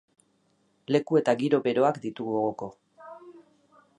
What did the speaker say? Leku eta giro beroak ditu gogoko.